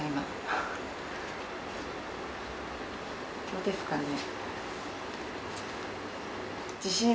どうですかね？